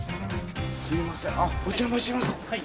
すいませんあっお邪魔します。